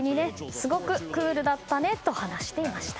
すごくクールだったねと話していました。